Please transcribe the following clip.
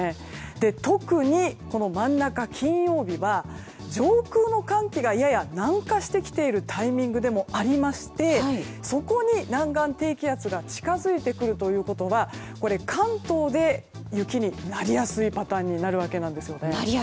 特に真ん中、金曜日は上空の寒気がやや南下してきているタイミングでもありましてそこに南岸低気圧が近づいてくるということは関東で雪になりやすいパターンになるわけですね。